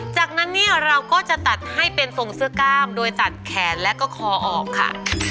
จากนั้นเนี่ยเราก็จะตัดให้เป็นทรงเสื้อกล้ามโดยตัดแขนและก็คอออกค่ะ